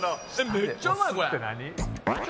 めっちゃうまいこれ！